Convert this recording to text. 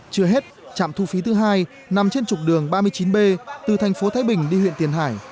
chưa hết trạm thu phí thứ hai nằm trên trục đường ba mươi chín b từ thành phố thái bình đi huyện tiền hải